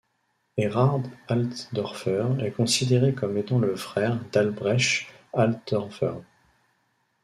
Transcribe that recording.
Erhard Altdorfer est considéré comme étant le frère d'Albrecht Altdorfer.